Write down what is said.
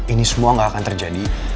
ini semua nggak akan terjadi